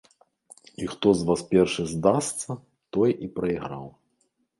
І хто з вас першы здасца, той і прайграў.